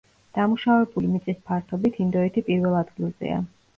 დამუშავებული მიწის ფართობით ინდოეთი პირველ ადგილზეა.